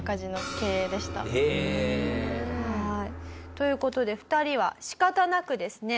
という事で２人は仕方なくですね